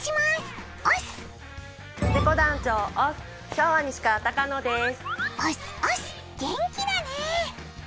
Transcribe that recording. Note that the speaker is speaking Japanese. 昭和西川高野です。